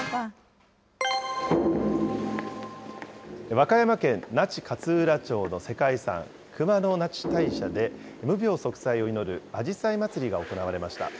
和歌山県那智勝浦町の世界遺産、熊野那智大社で、無病息災を祈る紫陽花祭が行われました。